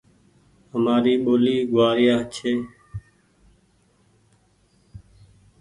همآري ٻولي گوآريا ڇي۔